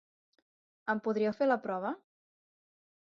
Em podríeu fer la prova?